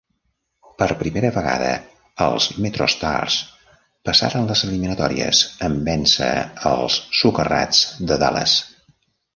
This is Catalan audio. Per primera vegada, els MetroStars passaren les eliminatòries, en vèncer els "Socarrats" de Dallas.